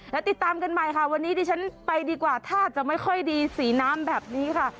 แล้วติดตามกันใหม่ค่ะวันนี้ดิฉันไปดีกว่าท่าจะไม่ค่อยดีสีน้ำแบบนี้ค่ะ